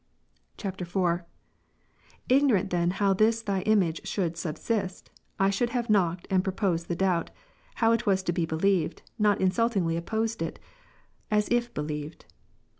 [IV.] 5. Ignorant then how this Thy image should subsist, I should have knocked and proposed the doubt, how it was to be believed, not insultingly opposed it, as if believed.